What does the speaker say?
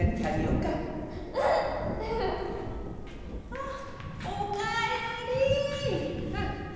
ああお帰り！